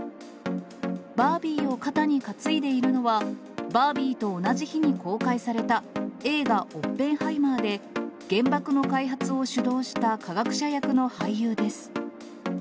バービーを肩に担いでいるのは、バービーと同じ日に公開された映画、オッペンハイマーで、原爆の開発を主導した科学者役の俳優です。